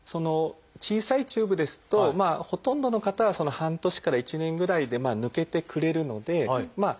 小さいチューブですとほとんどの方は半年から１年ぐらいで抜けてくれるのでまあ